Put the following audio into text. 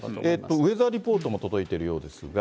ウエザーリポートも届いてるようですが。